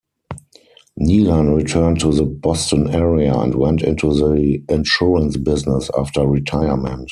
Nilan returned to the Boston area and went into the insurance business after retirement.